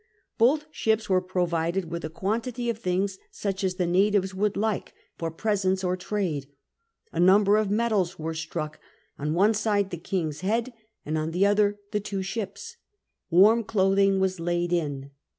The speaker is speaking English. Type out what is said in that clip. Both ships were provided with a quantity of things, such as the natives would like, for presents or trade. A number of medals were struck, on one side the king's head, and on the other the two ships. Warm clothing was laid in.